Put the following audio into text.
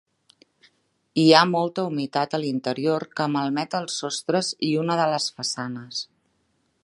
Hi ha molta humitat a l'interior que malmet els sostres i una de les façanes.